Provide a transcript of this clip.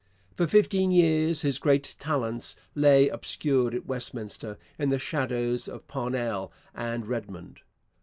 For fifteen years his great talents lay obscured at Westminster in the shadows of Parnell and Redmond.